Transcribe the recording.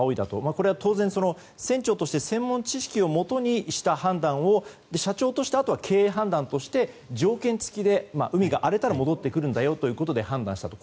これは当然、船長として専門知識をもとにした判断を社長としてあとは経営判断として条件付きで海が荒れたら戻ってくるんだよということで判断したと。